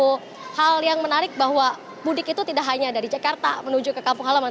itu hal yang menarik bahwa mudik itu tidak hanya dari jakarta menuju ke kampung halaman